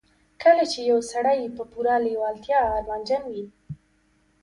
کله چې يو سړی په پوره لېوالتیا ارمانجن وي.